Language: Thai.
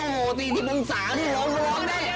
เอาอันนี้นั่งแรงโอ้โฮ๔๐นังสาวนี่เหล่า